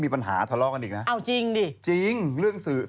เพราะว่าตอนนี้ก็ไม่มีใครไปข่มครูฆ่า